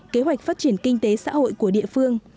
kế hoạch phát triển kinh tế xã hội của địa phương